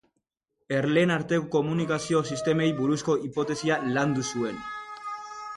Erleen arteko komunikazio-sistemei buruzko hipotesia landu zuen.